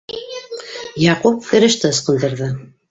Яҡуп кереште ысҡындырҙы.